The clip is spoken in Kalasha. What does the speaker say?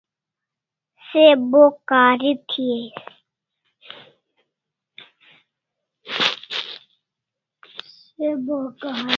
Se bo kahari thi ais